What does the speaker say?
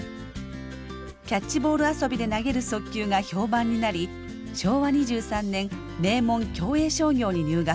キャッチボール遊びで投げる速球が評判になり昭和２３年名門享栄商業に入学。